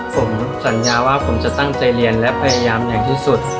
ผมสัญญาว่าผมจะตั้งใจเรียนและพยายามอย่างที่สุด